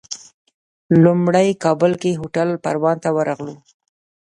لومړی کابل کې هوټل پروان ته ورغلو.